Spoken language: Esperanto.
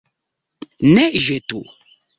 Ne ĵetu!